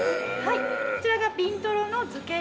こちらがビントロの漬けですね。